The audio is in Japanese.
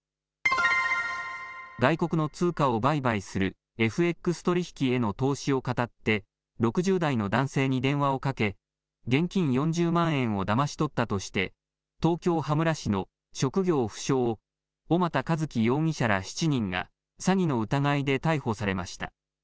外国の通貨を売買するＦＸ取引への投資をかたって、６０代の男性に電話をかけ、現金４０万円をだまし取ったとして、東京・羽村市の職業不詳、小俣一毅容疑者ら７人が、詐欺の疑いで逮捕されました。